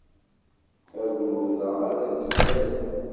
Agrud-a ara d-ilalen.